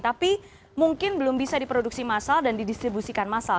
tapi mungkin belum bisa diproduksi massal dan didistribusikan massal